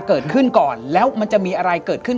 เกิดขึ้นก่อนแล้วมันจะมีอะไรเกิดขึ้น